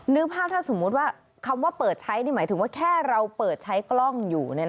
นึกภาพถ้าสมมุติว่าคำว่าเปิดใช้นี่หมายถึงว่าแค่เราเปิดใช้กล้องอยู่